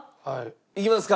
いきますか？